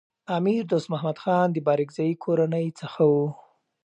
امیر دوست محمد خان د بارکزايي کورنۍ څخه و.